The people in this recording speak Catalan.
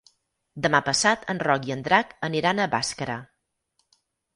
Demà passat en Roc i en Drac aniran a Bàscara.